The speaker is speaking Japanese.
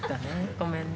ごめんね。